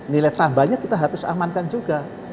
nilai tambahnya kita harus amankan juga